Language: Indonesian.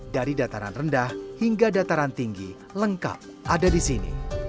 dari dataran rendah hingga dataran tinggi lengkap ada di sini